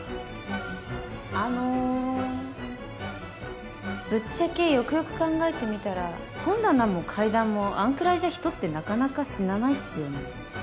あのぶっちゃけよくよく考えてみたら本棚も階段もあんくらいじゃ人ってなかなか死なないっすよね。